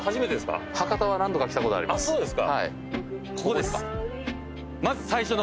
そうですか。